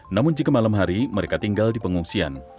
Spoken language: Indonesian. namun jika malam hari mereka tinggal di pengungsian